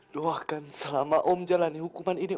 doakan selama om menjalani hukuman ini